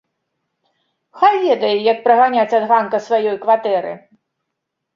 Хай ведае, як праганяць ад ганка сваёй кватэры!